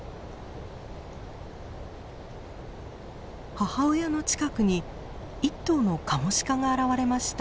母親の近くに１頭のカモシカが現れました。